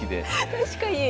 確かに。